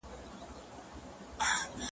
پکښي نه ورښکارېدله خپل عیبونه `